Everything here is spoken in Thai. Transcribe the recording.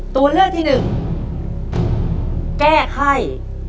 ตัวเลือกที่๑แก้ไข้